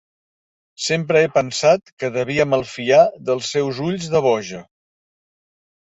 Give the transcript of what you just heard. Sempre he pensat que devia malfiar dels seus ulls de boja.